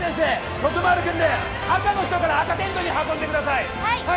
徳丸くんで赤の人から赤テントに運んでくださいはい！